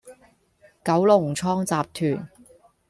九龍倉集團